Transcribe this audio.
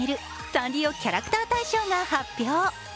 サンリオキャラクター大賞が発表。